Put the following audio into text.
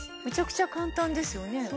めちゃくちゃ簡単ですよね